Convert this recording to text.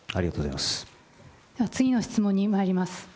次の質問にまいります。